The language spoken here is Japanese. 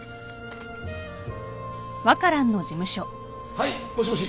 はいもしもし。